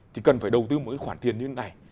thì cần phải đầu tư một cái khoản tiền như thế này